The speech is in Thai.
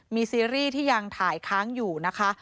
มีซีรีส์ที่ยังถ่ายค้างอยู่นะคะ